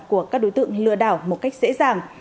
của các đối tượng lừa đảo một cách dễ dàng